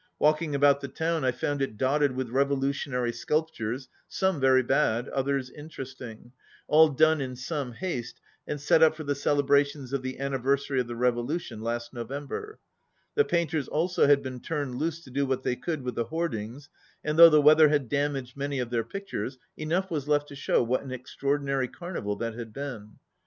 Walking about the town I found it dotted with revolutionary sculptures, some very bad, others interesting, all done in some haste and set up for the celebrations of the anniversary of the revolution last November. The painters also had been turned loose to do what they could with the hoardings, and though the weather had dam aged many of their pictures, enough was left to show what an extraordinary carnival that had been.